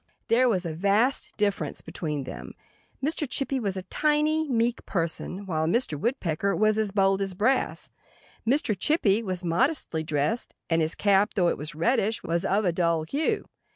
There was a vast difference between them. Mr. Chippy was a tiny, meek person, while Mr. Woodpecker was as bold as brass. Mr. Chippy was modestly dressed; and his cap, though it was reddish, was of a dull hue.